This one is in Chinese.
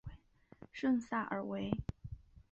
圣萨尔维。